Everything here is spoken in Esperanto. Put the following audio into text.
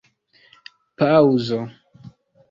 paŭzo